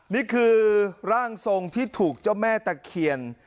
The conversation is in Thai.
นี่คือร่างทรงที่ถูกเจ้าแม่ตะเคียน